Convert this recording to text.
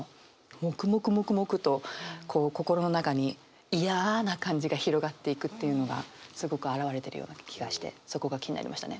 もくもくもくもくとこう心の中にいやな感じが広がっていくというのがすごく表れてるような気がしてそこが気になりましたね。